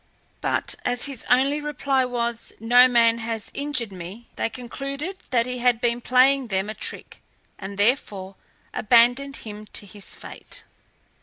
But as his only reply was, "Noman has injured me," they concluded that he had been playing them a trick, and therefore abandoned him to his fate.